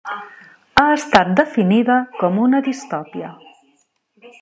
Ha estat definida com una distopia.